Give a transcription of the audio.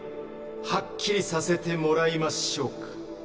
はっきりさせてもらいましょうか。